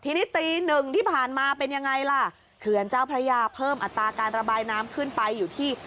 ทีนี้ตีหนึ่งที่ผ่านมาเป็นยังไงล่ะเขื่อนเจ้าพระยาเพิ่มอัตราการระบายน้ำขึ้นไปอยู่ที่